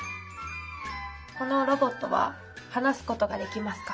このロボットははなすことができますか？